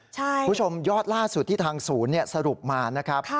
ยอดล่าสุดที่ทางศูนย์สรุปมานะครับ